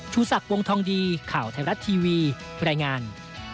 ศักดิ์วงทองดีข่าวไทยรัฐทีวีรายงาน